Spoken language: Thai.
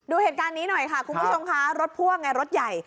ดูเหตุการณ์นี้หน่อยค่ะคุณผู้ชมค่ะรถพ่วงไงรถใหญ่